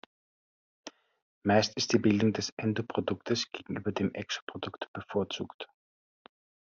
Meist ist die Bildung des "endo"-Produktes gegenüber dem "exo"-Produkt bevorzugt.